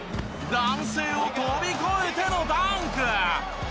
男性を飛び越えてのダンク！